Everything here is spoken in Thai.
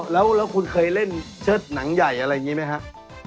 แล้วคุณเคยเล่นเชิดหนังใหญ่อะไรอย่างนี้ไหมครับ